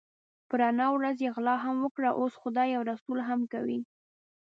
په رڼا ورځ یې غلا هم وکړه اوس خدای او رسول هم کوي.